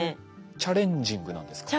チャレンジングなんですか？